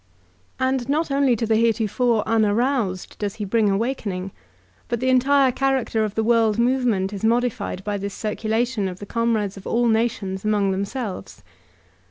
And not only to the heretofore unaroused does he bring awakening, but the entire character of the world move ment is modified by this circulation of the comrades of all nations among themselves.